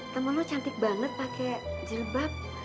temen lo cantik banget pakai jilbab